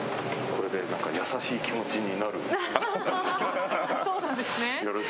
これで優しい気持ちになる。